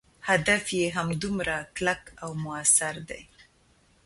هدف یې همدومره کلک او موثر دی.